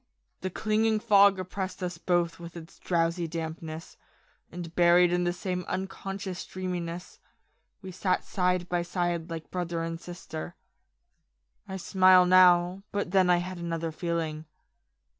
The clinging fog oppressed us both with its drowsy dampness ; and buried in the same un 318 POEMS IN PROSE conscious dreaminess, we sat side by side like brother and sister. I smile now ... but then I had another feeling.